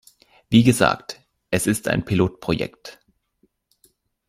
Wie gesagt, es ist ein Pilotprojekt.